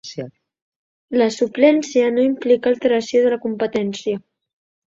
La suplència no implica alteració de la competència.